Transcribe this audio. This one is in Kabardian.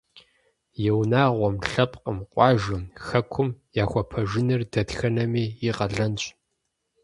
И унагъуэм, лъэпкъым, къуажэм, хэкум яхуэпэжыныр дэтхэнэми и къалэнщ.